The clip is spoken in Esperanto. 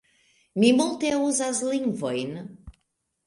Mi multe uzas lingvojn.